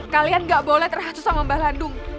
kalian gak boleh terhacu sama mbak landu